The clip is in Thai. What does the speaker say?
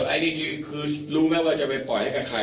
อันนี้คือรู้ไหมว่าจะไปปล่อยให้กับใคร